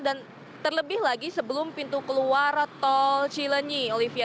dan terlebih lagi sebelum pintu keluar tol cilenyi olivia